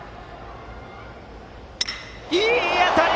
いい当たり！